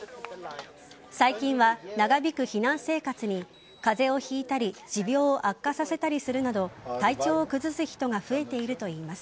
最近は、長引く避難生活に風邪をひいたり持病を悪化させたりするなど体調を崩す人が増えているといいます。